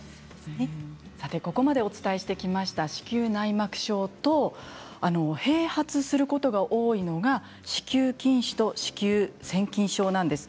ここまでお伝えしてきました子宮内膜症と併発することが多いのが子宮筋腫と子宮腺筋症です。